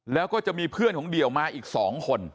แล้วก็จะมีเพื่อนของเดี่ยวมาอีก๒คน